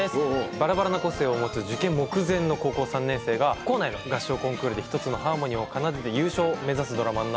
バラバラな個性を持つ受験目前の高校３年生が校内の合唱コンクールで１つのハーモニーを奏でて優勝を目指すドラマになっています。